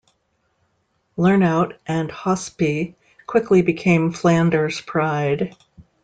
Lernout and Hauspie quickly became Flanders' pride.